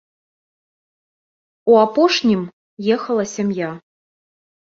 У апошнім ехала сям'я.